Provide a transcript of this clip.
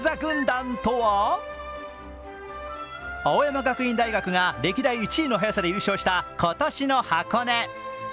青山学院大学が歴代１位の速さで優勝した今年の箱根。